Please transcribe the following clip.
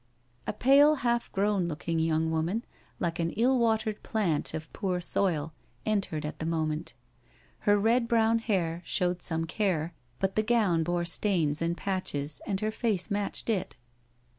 A pale, half grown looking young woman, like an ill watered plant of poor soil, entered at the moment. Her red brown hair showed some care, but the gown bore stains and patches, and her face matched it.